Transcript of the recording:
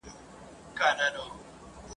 زر په اور کي هم نه خرابېږي ..